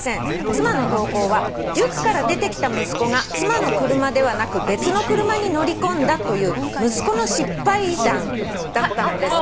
「妻の投稿は塾から出てきた息子が妻の車ではなく別の車に乗り込んだという息子の失敗談だったのですが」